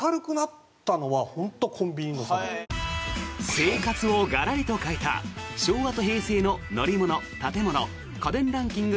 生活をガラリと変えた昭和と平成の乗り物、建物、家電ランキング